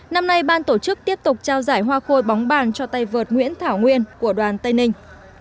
năm nay ban tổ chức tiếp tục trao giải hoa khôi bóng bàn cho tay vợt nguyễn thảo nguyên của đoàn tây ninh